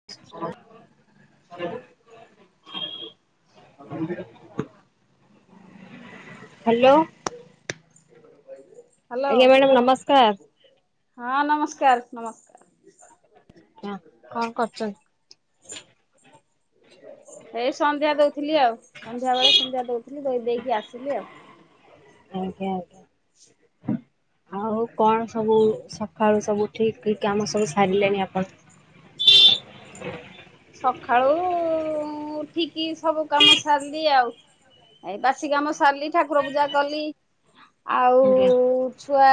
[unintelligible] Hello ଆଜ୍ଞା madam ନମସ୍କାର। Hello ହଁ ନମସ୍କାର ନମସ୍କାର। ଆ କଣ କରୁଛନ୍ତି। ଏଇ ସନ୍ଧ୍ୟା ଦଉଥିଲି ଆଉ ସନ୍ଧ୍ୟା ବେଳେ ସନ୍ଧ୍ୟା ଦଉଥିଲି ଦ ଦେଇକି ଆସିଲି ଆଉ। ଆଜ୍ଞା ଆଜ୍ଞା ଆଉ କଣ ସବୁ ଶ ଆଉ ସବୁ ଠିକ୍ କି କାମ ସବୁ ସାରିଲେଣି ଆପଣ। ସକାଳୁ ଉଠିକି ସବୁ କାମ ସାରିଲି ଆଉ। ଏଇ ବାସି କାମ ସାରିଲି ଠାକୁର ପୂଜା କଲି। ଆଉ ଆଜ୍ଞା। ଛୁଆ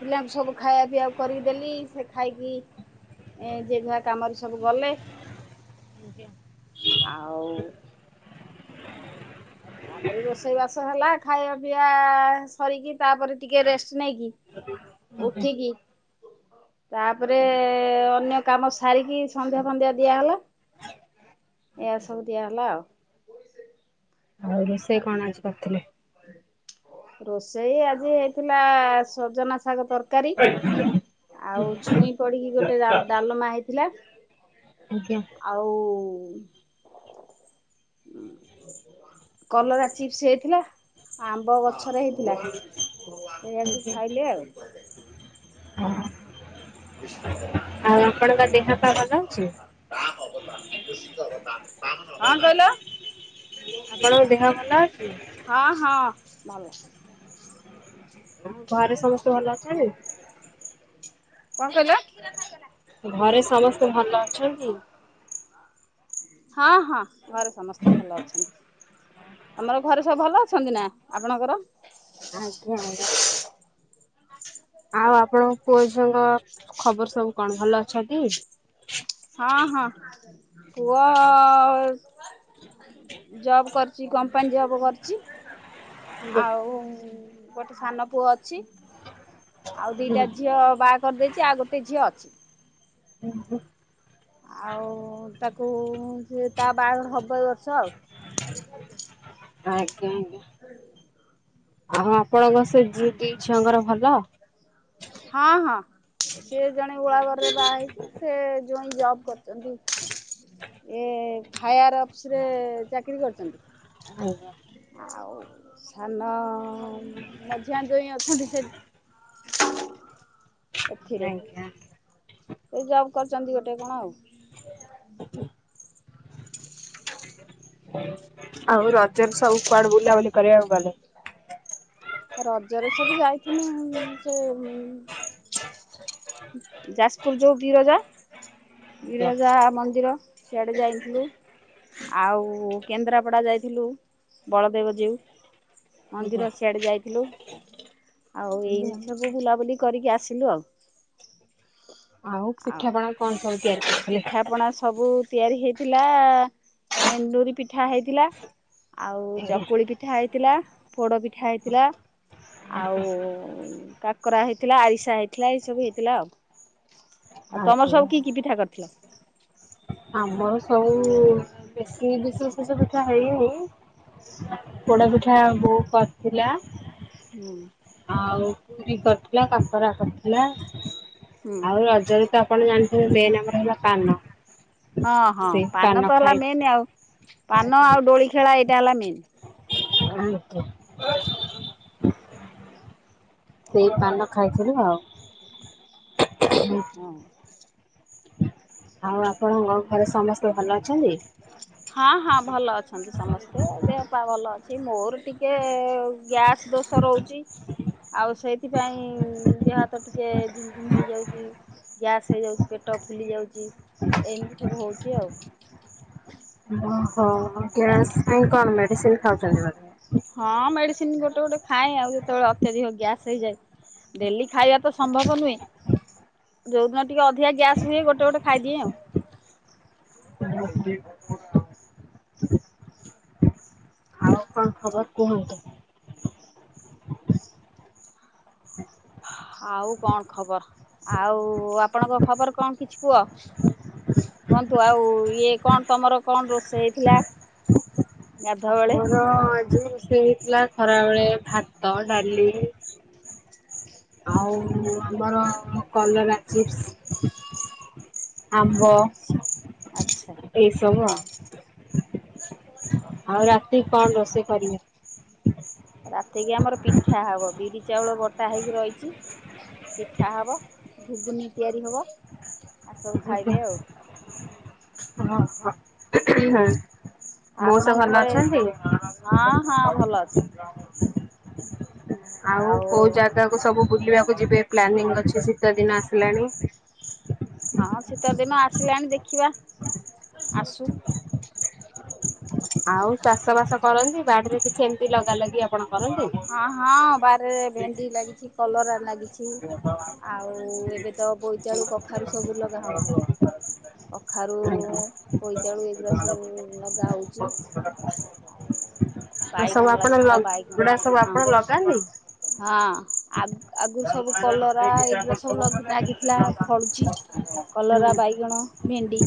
ପିଲାଙ୍କୁ ସବୁ ଖାଇବା ପିଆବାକୁ କରିକି ଦେଲି। ସେ ଖାଇକି ଏ ଯେ ଯୁଆ କାମରେ ସବୁ ଗଲେ। ଆଜ୍ଞା ଆଉ ତାପରେ ରୋଷେଇ ବାସ ହେଲା ଖାଇବା ପିଇଆ ସରିକି ତାପରେ ଟିକେ ରେଷ୍ଟ ନେଇକି ଆଜ୍ଞା। ଉଠିକି। ତାପରେ ଅନ୍ୟ କାମ ସାରିକି ସନ୍ଧ୍ୟା ଫନ୍ଧ୍ୟା ଦିଆହଲା। ଏଆ ସବୁ ଦିଆ ହେଲା ଆଉ। ଆଉ ରୋଷେଇ କଣ ଆଜି କରିଥିଲେ? ରୋଷେଇ ଆଜି ହେଇଥିଲା ସଜନା ଶାଗ ତରକାରୀ। ଆଉ ଛୁଇଁ ପଡିକି ଗୋଟେ ଡା-ଡ଼ାଲମା ହେଇଥିଲା। ଆଜ୍ଞା। ଆଉ ହ [inaudible] କଲରା ଚିପ୍ସ ହେଇଥିଲା ଆମ୍ବ ଗଛରେ ହେଇଥିଲା। ଏଇଆକୁ ଖାଇଲେ ଆଉ। ହଁ। [unintelligible] ଦେହ ପା ଭଲ ଅଛି? [inaudible] କଁ କହିଲ? ଆପଣଙ୍କ ଦେହ ଭଲ ଅଛି। ହଁ ହଁ ଭଲ। ଆଉ ଘରେ ସମସ୍ତେ ଭଲ ଅଛନ୍ତି। କଁ କହିଲ? ଘରେ ସମସ୍ତେ ଭଲ ଅଛନ୍ତି। ହଁ ହଁ ଘରେ ସମସ୍ତେ ଭଲ ଅଛନ୍ତି। ଆମର ଘରେ ସବୁ ଭଲ ଅଛନ୍ତି ନା ଆପଣଙ୍କର। ଆଉ କଁ? ଆଉ ଆପଣଙ୍କ ପୁଅ ଝିଅଙ୍କ ଖବର ସବୁ କଣ ଭଲ ଅଛନ୍ତି। ହଁ ହଁ ପୁଅ ଜବ୍ କରିଚି କମ୍ପାନୀ ଜବ କରିଚି ଆଉ ଉଁ ଉଁ ଗୋଟେ ସାନ ପୁଅ ଅଛି ଆଉ ଦିଟା ଆଜ୍ଞା। ଝିଅ ବା କରିଦେଇଚି ଆଉ ଗୋଟେ ଝିଅ ଅଛି। ଓ ହୋ। ଆଉ ତାକୁ ଉଁ ସିଏ ତା ବାଆଘର ହବ ଏଇ ବର୍ଷ ଆଉ। ଆଜ୍ଞା ଆଜ୍ଞା ଆଉ ଆପଣଙ୍କ ସେ ଦି ଦି ଝିଅଙ୍କର ଭଲ। ହ। ହଁ ହଁ। ସିଏ ଜଣେ ଓଳାଘରେରେ ବାହା ହେଇଚି ସେ ଜୋଇଁ ଜବ୍ କରିଚନ୍ତି। ଏ ଫାୟାର୍ ଅଫିସରେ ଚାକିରୀ କରିଚନ୍ତି। ଆଜ୍ଞା। ଆଉ ସାନ ମଝିଆ ଜୋଇଁ ଅଛନ୍ତି ସେ। ହୁଁ। ଏଥିରେ ଏଇ ଜବ୍ କରିଚନ୍ତି ଗୋଟେ କଣ ଆଉ। ଆଉ ରଜକୁ ସବୁ କୁଆଡେ ବୁଲାବୁଲି କରିବାକୁ ଗଲେ। ରଜରେ ସବୁ ଯାଇଥିନୁ ସେ ଉଁ ଯାଜପୁର ଯୋଉ ବିରଜା ଆଜ୍ଞା ବିରଜା ମନ୍ଦିର। ସିଆଡେ ଯାଇଥିଲି। ଆଉ କେନ୍ଦ୍ରାପଡା ଯାଇଥିଲୁ ବଳଦେବ ଜୀଉ। ଆଜ୍ଞା ମନ୍ଦିର ସିଆଡେ ଯାଇ ଥିଲୁ ଆଉ ଆଜ୍ଞା। ଏମତି ସବୁ ବୁଲାବୁଲି କରିକି ଆସିଲୁ ଆଉ। ପିଠା ପଣା କଣ ସବୁ ତିଆରି କର୍ ପିଠା ପଣା ସବୁ ତିଆରି ହେଇଥିଲା ଏଣ୍ଡୁରି ପିଠା ହେଇଥିଲା। ଆଉ ଆଜ୍ଞା ଚକୁଳି ପିଠା ହେଇଥିଲା ପୋଡ ପିଠା ହେଇଥିଲା। ଆଉ ଉଁ କାକରା ହେଇଥିଲା ଆରିସା ହେଇଥିଲା ଏଇସବୁ ହେଇଥିଲା ଆଉ। ଆଉ ତମର ଆଜ୍ଞା। ସବୁ କି କି ପିଠା କରିଥିଲ? ଆମର ସବୁ ଉଁ ବେଶୀ ବିଶେଷ କିଛି ପି ଠା ହେଇନି ପୋଡା ପିଠା ବୋଉ କରିଥିଲା। ହୁଁ। ଆଉ ପୁରୀ କରିଥିଲା କାକରା କରିଥିଲା ହୁଁ ଆଉ ରଜରେ ତ ପଣ ଜାଣିଥିବେ ମେନେ ଆମର ହେଲା ପାନ। ହଁ ହଁ ସେଇ ପାନ ତ ହେଲା ଖାଇ ମେନେ ଆଉ ପାନ ଆଜ୍ଞା ଆଉ ଦୋଳି ଖେଳା ଏଇଟା ହେଲା ମେନେ। [unintelligible] ସେଇ ପାନ ଖାଇଥିନି ଆଉ। ହଁ। ଆଉ ଆପଣ ଙ୍ଗ ଘରେ ସମସ୍ତେ ଭଲ ଅଛନ୍ତି? ହଁ ହଁ ଭଲ ଅଛନ୍ତି ସମସ୍ତେ ଦେହପା ଭଲ ଅଛି ମୋର ଟିକେ ଗ୍ୟାସ ଦୋ ସ ରହୁଛି ଆଉ ସେଇଥିପାଇଁ ଦେହହାତ ଟିକେ ଝିମ୍ ଝିମ୍ ହେଇଯାଉଚି। ଗ୍ୟାସ୍ ହେଇଯାଉଚି ପେଟ ଫୁଲି ଯାଉଚି ଏମିତି ସବୁ ହେଉଚି ଆଉ। ଓହୋ ଗ୍ୟାସ୍ ପାଇଁ କଣ ମେଡ଼ିସିନ୍ ଖାଉଚନ୍ତି ବୋଧେ? ହଁ ମେଡ଼ିସିନ୍ ଗୋଟେ ଗୋଟେ ଖାଏ ଆଉ ଯେତେବେଳେ ଅତ୍ୟଧିକ ଗ୍ୟାସ୍ ହେଇଯାଏ। ଡେଲି ଖାଇବାତ ସମ୍ଭବ ନୁହେଁ। ଯଉଦିନ ଟିକେ ଅଧିକା ଗ୍ୟାସ୍ ହୁଏ ଗୋଟେ ଗୋଟେ ଖାଇଦିଏଁ ଆଉ। [unintelligible] ଆଉ କଣ ଖବର କୁହନ୍ତୁ? ଆଉ କଣ ଖବର ଆଉ ଆପଣଙ୍କ ଖବର କଣ କିଛି କୁହ? କୁହନ୍ତୁ ଆଉ ଇଏ କଣ ତମର କଣ ରୋଷେଇ ହେଇଥିଲା? ଗାଧୁଆବେଳେ? ହଁ ଆଜି ସେଇ ହେଇଥିଲା ଖରାବେଳେ ଭାତ ଡ଼ାଲି ଆଉ ଆମର କଲରା ଚିପ୍ସ ଆମ୍ବ ଆଚ୍ଛା। ଏଇସବୁ ଆଉ ଆଉ ରାତି କଣ ରୋଷେଇ କରିବେ? ରାତିକି ଆମର ପିଠା ହବ ବିରି ଚାଉଳ ବଟା ହେଇକି ରଇଚି। ପିଠା ହବ ଘୁଗୁନି ତିଆରି ହବ ଆସବୁ ଖାଇବେ ଆଉ। ହଁ ହ-ହ ମଉସା ଆପଣଙ୍କ ଭଲ ଘରେ ଅଛନ୍ତି? ହଁ ହଁ ଭଲ ଅଛିନ୍ତି। ଆଉ କୋଉ ଜାଗାକୁ ସବୁ ବୁଲିବାକୁ ଯିବେ ପ୍ଲାନିଂ ଅଛି ଶୀତ ଦିନ ଆସିଲାଣି? ହଁ ଶୀତଦିନ ଆସିଲାଣି ଦେଖିବା ଆସୁ। ଆଉ ଚାଷ ବାସ କରନ୍ତି ବାଡ଼ିରେ କିଛି ଏମତି ଲଗା ଲଗି ଆପଣ କରନ୍ତି? ହଁ ହଁ ବାରିରେ ଭେଣ୍ଡି ଲାଗିଛି କଲରା ଲାଗିଛି। ଆଉ ଏବେତ ବୋଇତାଳୁ କଖାରୁ ସବୁ ଲଗାହବା କଥା। କଖାରୁ ବୋଇତାଳୁ ଏଗୁରା ସବୁ ନଗାହଉଚି। ଏରସବୁ ବାଇଗଣ ଆପଣ ଲାଗିଥିଲା ଲଗ୍ ବାଇଗଣ ଗୁଡା ସବୁ ହଁ। ଆପଣ ଲଗାନ୍ତି? ହଁ ଆଗୁ ଆଗୁସେ ସବୁ କଲରା ଏଇଗୁୁରା ସବୁ ଲଗ୍-ଲାଗିଥିଲା ଫଳୁଛି କଲରା ବାଇଗଣ ଭେଣ୍ଡି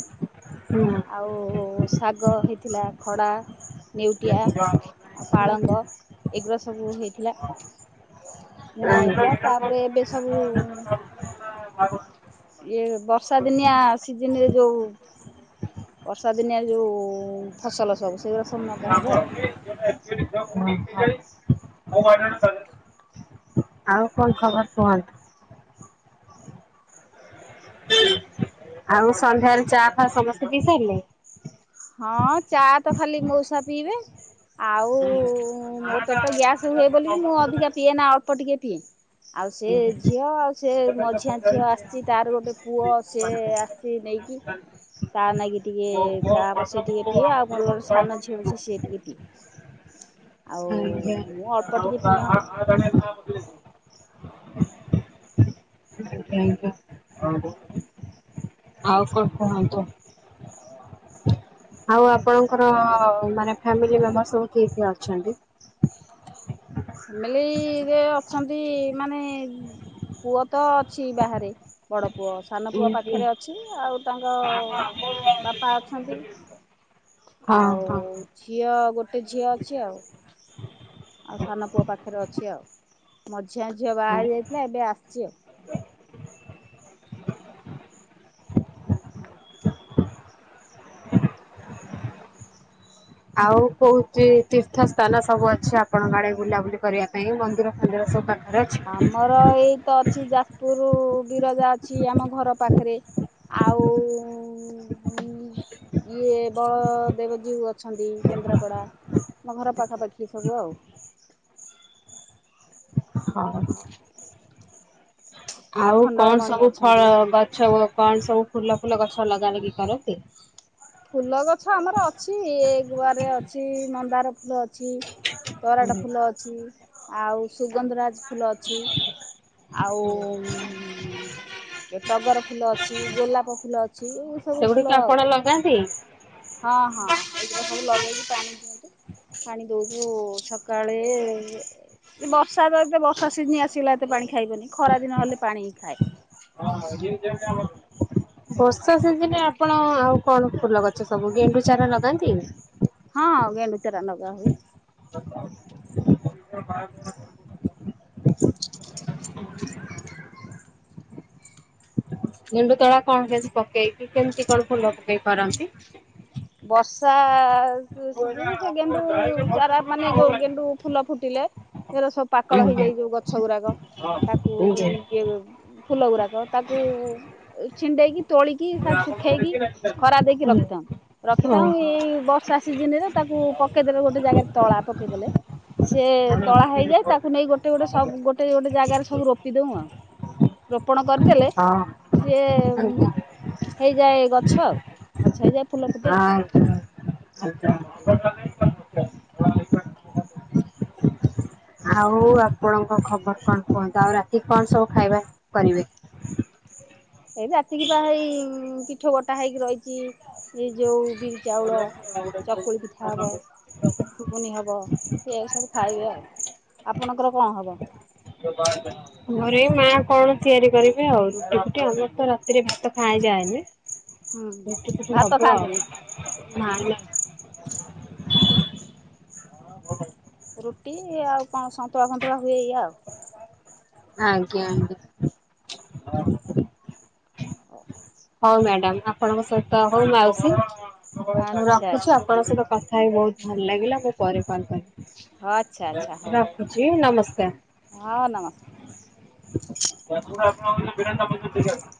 ହଁ। ଆଉ ଶାଗ ହେଇଥିଲା ଖଡ଼ା ନେଉଟିଆ। ଆଉ ପାଳଙ୍ଗ ଏଗୁରା ସବୁ ହେଇଥିଲା। ବୁଣା ହେଇଥିଲା ତାପରେ ଏବେ ସବୁ ଇଏ ବର୍ଷା ଦିନିଆ ସିଜିନିରେ ଯୋଉ ବର୍ଷା ଦିନିଆ ଯୋଉ ଫସଲ ସବୁ ସେଉରା ସବୁ ନଗା ହବ ଆଉ। [unintelligible] ହଁ। ଆଉ କଣ ଖବର କୁହନ୍ତୁ? ଆଉ ସନ୍ଧ୍ୟାରେ ଚା ଫା ସମସ୍ତେ ପିସାରିଲେଣି? ହଁ ଚାତ ଖାଲି ମଉସା ପିଇବେ। ଆଉ ମୋପେଟ ଗ୍ୟାସ ହୁଏ ବୋଲିକି ମୁଁ ଅଧିକା ପିଏନା ଅଳ୍ପ ଟିକେ ପିଏ। ଆଉ ସେ ଝିଅ ଆଉ ସେ ମଝିଆ ଝିଅ ଆସିଚି ତାର ଗୋଟେ ପୁଅ ସେ ଆ ସେ ନେଇକି ତା ନାଗି ଟିକେ ଯା ହବ ସେ ଟିକେ ପିଏ ଆଉ ମୋର ସାନ ଝିଅ ଅଛି ସିଏ ଟିକେ ପିଏ। ଆଉ ଆଜ୍ଞା ଆଜ୍ଞା ମୁଁ ଅଳ୍ପ ଟିକେ ପିଏଁ ଆଉ। [unintelligible] [unintelligible] ଆଉ କଣ କୁହନ୍ତୁ। ଆଉ ଆପଣଙ୍କର ମାନେ ଫାମିଲି ମେମ୍ବର ସବୁ କିଏ କିଏ ଅଛନ୍ତି। ଫାମିଲିରେ ଅଛନ୍ତି ମାନେ ପୁଅ ତ ଅଛି ବାହାରେ ବଡ ପୁଅ। ସାନ ପୁଅ ପାଖରେ ଅଛି ଆଉ ତାଙ୍କ ବାପା ଅଛନ୍ତି। ହଁ ଆଉ ହଁ ଝିଅ ଗୋଟେ ଝିଅ ଅଛି ଆଉ। ଆଉ ସାନ ପୁଅ ପାଖରେ ଅଛି ଆଉ ମଝିଆ ଝିଅ ବାହା ହେଇ ହଁ। ଯାଇଥିଲା ଏବେ ଆସିଛି ଆଉ। ଆଉ କୋଉ ଚି ତୀର୍ଥ ସ୍ଥାନ ସବୁ ଅଛି ଆପଣଙ୍କ ଆଡେ ବୁଲାବୁଲି କରିବା ପାଇଁ ମନ୍ଦିର ଫନ୍ଦିର ସବୁ ପାଖ ଆମର ଏଇ ତ ଅଛି ଯାଜପୁର ବିରଜା ଅଛି ଆମ ଘର ପାଖରେ। ଆଉ [inaudible] ଇଏ ବଦେବଜୀଉ ଅଛନ୍ତି କେନ୍ଦ୍ରାପଡା। ମ ଘର ପାଖାପାଖି ସବୁ ଆଉ। ହଁ। ଆଉ କଣ ଆଖଣ୍ଡଳମଣି ସବୁ ଫଳ ଅଛନ୍ତି। ଗଛ ଓ କଣ ସବୁ ଫୁଲ ଫୁଲ ଗଛ ଲଗା ଲଗି କରନ୍ତି। ଫୁଲ ଗଛ ଆମର ଅଛି ଏ ଗୁଆରେ ଅଛି ମନ୍ଦାର ଫୁଲ ଅଛି। ତରାଟ ହୁଁ। ଫୁଲ ଅଛି ଆଉ ସୁଗନ୍ଧରାଜ ଫୁଲ ଅଛି। ଆଉ ଟଗର ଫୁଲ ଅଛି ଗୋଲାପ ଫୁଲ ଅ ସେଗୁଡ଼ିକ ଆପଣ ଲଗାନ୍ତି। ହଁ ହଁ ଏଗୁରା ସବୁ ଲଗେଇକି ପାଣି ଦିଅନ୍ତି। ପାଣି ଦଉଚୁ ସକାଳେ ବର୍ଷା ରେ ଏତ ବର୍ଷା ସିଜିନି ଆସଗାଲା ଏତେ ପାଣି ଖାଇବନି ଖରାଦିନ ହେଲେ ପାଣି ହିଁ ଖାଏ। [inaudible] ବର୍ଷା ସିଜିନରେ ଆପଣ ଆଉ କଣ ଫୁଲ ଗଛ ସବୁ ଗେଣ୍ଡୁ ଚାରା ଲଗାନ୍ତି। ହଁ ଗେଣ୍ଡୁଚାରା ନଗା ହୁଏ। [inaudible] [inaudible] ଗେଣ୍ଡୁ ତଳା କଣ କେମତି ପକେଇକି କେମିତି କଣ ଫୁ ଲଗେଇ ପାରନ୍ତି। ବର୍ଷା ସି ସିଯିନି ସେ ଗେଣ୍ଡୁ ଚାରା ମାନେ ଗୋ ଗେଣ୍ଡୁ ଫୁଲ ଫୁଟିଲେ ଏରା ସବୁ ପାକଳ ଆଜ୍ଞା ହେଇଯାଇ ଯୋଉ ଗଛ ଗୁରାକ ତାକୁ ନୁ ଆଜ୍ଞା ଇଏ ବେ ଫୁଲ ଗୁରାକ ତାକୁ ଉ ଛିଣ୍ଡେଇକି ତୋଳିକି ତାକୁ ଶୁଖେଇକି ଖରା ଦେଇକି ହୁଁ। ରଖିଥାଉଁ ଓହୋ ରଖିଥାଉଁ ଏଇ ବର୍ଷା ସିିଜିନରେ ତାକୁ ପକେଇଦେଲେ ଗୋଟେ ଜାଗାରେ ତଳା ପକେଇଦେଲେ। ସେ ତଳା ହେଇଯାଏ ତାକୁ ନେଇ ଗୋଟେ ଗୋଟେ ସବୁ ଗୋଟେ ଗୋଟେ ଜାଗାରେ ସବୁ ରୋପି ଦଉ ଆଉ। ରୋପଣ କରିଦେଲେ ହଁ ସିଏ ଆଜ୍ଞା। ହେଇଯାଏ ଗଛ ଆଉ ଗଛ ହେଇଯାଏ ଫୁଲ ଫୁଟେ ଆଉ। ଆଜ୍ଞା ଆଜ୍ଞା। ଆଉ ଆପଣଙ୍କ ଖବର କଣ କୁହନ୍ତୁ ଆଉ ରାତି କଣ ସବୁ ଖାଇବା କରିବେ। ଏଇ ରାତିକି ପା ହେଇ ପିଠଉ ବଟା ହେଇକି ରହିଚି ଏ ଯୋଉ ବିରି ଚାଉଳ ଚକୁଳି ପିଠା ହବ। ଘୁଗୁନି ହବ ସେଏକୁ ସବୁ ଖାଇବେ ଆଉ। ଆପଣଙ୍କର କଣ ହବ? [unintelligible] ଘରେ ଏଇ ମା କଣ ତିଆରି କରିବେ ଆଉ ରୁଟି ଫୁଟି, ଆମର ତ ରାତିରେ ଭାତ ଖାଆଯାଏନି। ହୁଁ ରୁଟି ଫୁଟି ଭାତ ହବ ଖାଆନ୍ତିନି ଆଉ, [unintelligible] ରୁଟି ଆଉ କଣ ସନ୍ତୁଳା ଫନ୍ତୁଳା ହୁଏ ଏଇଆ ଆଉ। ଆଜ୍ଞା ଆଜ୍ଞା [unintelligible] ହଉ ମ୍ୟାଡାମ, ଆପଣଙ୍କ ସହିତ ହଉ ମାଉସୀ ଆଉ ଆଚ୍ଛା ଆଚ୍ଛା ରଖୁଛି। ଆପଣଙ୍କ ସହିତ କଥା କଥା ବହୁତ ଭଲ ଲାଗିଲା। ମୁଁ ପରେ କଲ୍ ହଉ ଆଚ୍ଛା କରିବି ରଖୁଚି ନମସ୍କାର। ହଁ ନମସ୍କାର। [unintelligible]